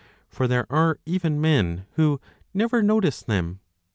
For there are even men who never notice them.